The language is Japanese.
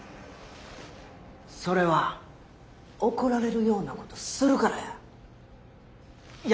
それは怒られるようなことするからや。